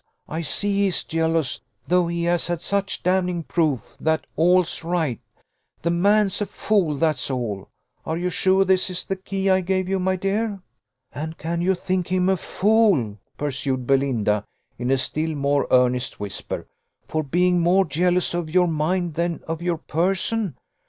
I see he is jealous, though he has had such damning proof that all's right the man's a fool, that's all. Are you sure this is the key I gave you, my dear?" "And can you think him a fool," pursued Belinda, in a still more earnest whisper, "for being more jealous of your mind than of your person?